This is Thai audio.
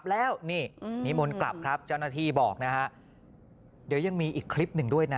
เมื่อกี้นี้คือช่วงนาธิที่ทางด้านของในอำเภอเมืองนครปฐม